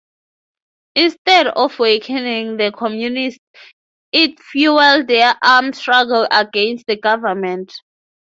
Instead of weakening the communists, it fuelled their armed struggle against the government.